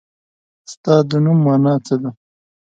ستا د نوم مانا څه ده ؟